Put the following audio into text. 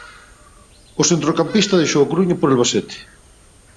O centrocampista deixou A Coruña por Albacete.